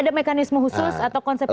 ada mekanisme khusus atau konsep